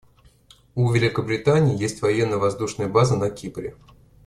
У Великобритании есть военно-воздушная база на Кипре.